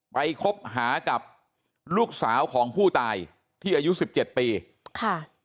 ไปคบหากับลูกสาวของผู้ตายที่อายุ๑๗ปีค่ะ